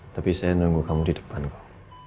tapi saya nunggu kamu di depan kok